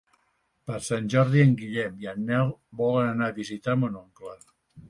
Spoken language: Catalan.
Per Sant Jordi en Guillem i en Nel volen anar a visitar mon oncle.